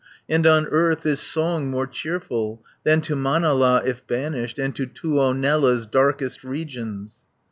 And on earth is song more cheerful, Than to Manala if banished. And to Tuonela's darkest regions."